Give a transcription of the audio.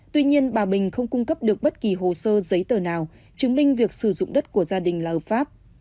tuy nhiên bà bình không cung cấp được bất kỳ hồ sơ giấy tờ nào chứng minh việc sử dụng đất của gia đình là hợp pháp